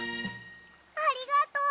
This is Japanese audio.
ありがとう。